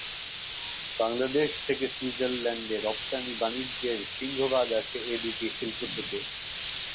বাংলাদেশ থেকে সুইজারল্যান্ডে রপ্তানি বাণিজ্যের সিংহভাগ আসে এ দুটি শিল্প থেকে।